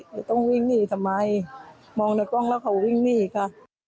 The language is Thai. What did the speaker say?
จะต้องวิ่งหนีทำไมมองในกล้องแล้วเขาวิ่งหนีค่ะ